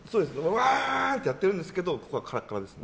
うわー！とかやってるんですけどここはカラカラです。